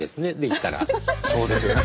そうですよね。